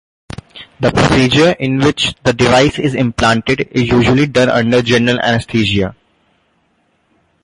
The procedure in which the device is implanted is usually done under general anesthesia.